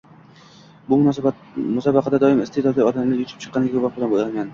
Bu musobaqada doim iste`dodli odamlar yutib chiqqaniga guvoh bo`lganman